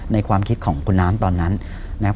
ความคิดของคุณน้ำตอนนั้นนะครับ